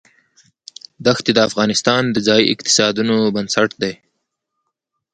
دښتې د افغانستان د ځایي اقتصادونو بنسټ دی.